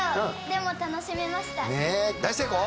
大成功？